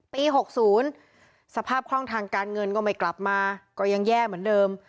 ๖๐สภาพคล่องทางการเงินก็ไม่กลับมาก็ยังแย่เหมือนเดิม